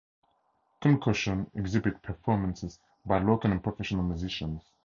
Kuncocshun exhibits performances by local and professional musicians.